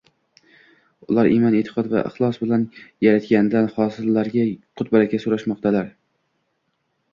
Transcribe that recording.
Ular imon-e'tiqod va ixlos bilan Yaratgandan hosillarga qut-baraka so‘ramokdalar